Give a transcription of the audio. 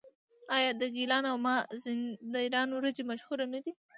آیا د ګیلان او مازندران وریجې مشهورې نه دي؟